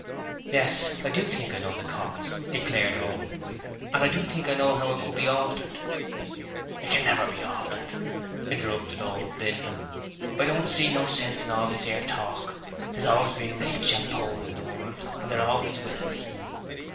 'Yes; I do think I know the cause,' declared Owen, 'and I do think I know how it could be altered ' 'It can't never be haltered,' interrupted old Linden. 'I don't see no sense in all this 'ere talk. There's always been rich and poor in the world, and there always will be.'